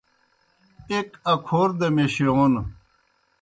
ایْک اکھور دہ میشِیون